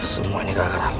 semua ini gara gara lu